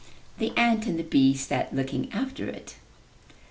The ant and the bee sat looking after it.